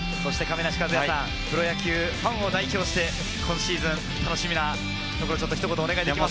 プロ野球ファンを代表して、今シーズン楽しみなところをお願いします。